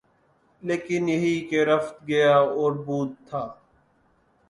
لیکن یہی کہ رفت، گیا اور بود تھا